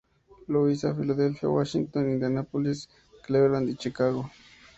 Louis, Filadelfia, Washington, Indianápolis, Cleveland y Chicago.